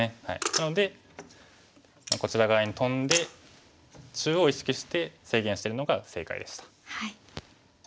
なのでこちら側にトンで中央を意識して制限してるのが正解でした。